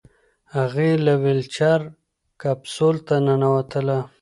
هغې له ویلچیر کپسول ته ننوتله.